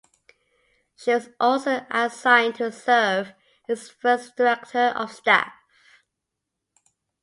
She was also assigned to serve as its first director of staff.